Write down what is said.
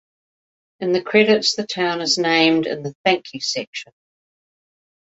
In the credits the town is named in the "Thank you" section.